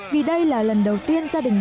vì đây là lần đầu tiên gia đình tết